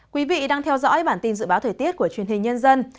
quý vị đang theo dõi bản tin dự báo thời tiết của truyền hình nhân dân